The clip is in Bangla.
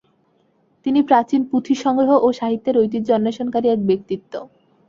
তিনি প্রাচীন পুথি সংগ্রহ ও সাহিত্যের ঐতিহ্য অন্বেষণকারী এক ব্যক্তিত্ব।